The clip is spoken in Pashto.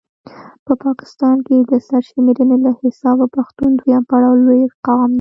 په پاکستان کې د سر شميرني له حسابه پښتون دویم پړاو لوي قام دی